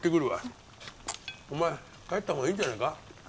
お前帰った方がいいんじゃないか？